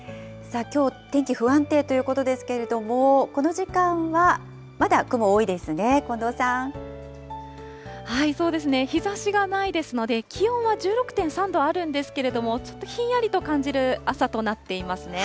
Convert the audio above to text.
きょう天気不安定ということですけれども、この時間はまだ雲多いそうですね、日ざしがないですので、気温は１６．３度あるんですけれども、ちょっとひんやりと感じる朝となっていますね。